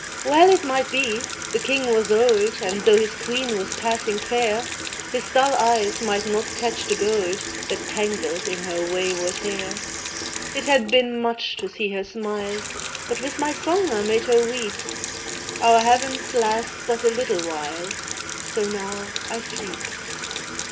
Well it might be the King was old, And though his Queen was passing fair, His dull eyes might not catch the gold That tangled in her wayward hair. IT THE SONG OF THE KING'S MINSTREL It had been much to see her smile, But with my song I made her weep. Our heavens last but a little while, So now I sleep.